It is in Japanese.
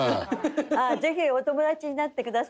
ぜひお友達になってください。